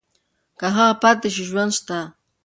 که هغه پاتې شي ژوند شته.